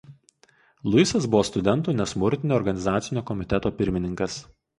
Luisas buvo Studentų nesmurtinio organizacinio komiteto pirmininkas.